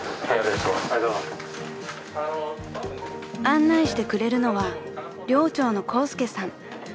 ［案内してくれるのは寮長のコウスケさん］